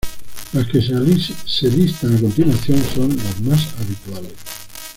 Las que se listan a continuación son las más habituales.